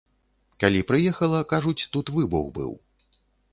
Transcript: Калі прыехала, кажуць, тут выбух быў.